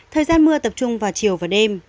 thời gian mưa tập trung vào chiều và đêm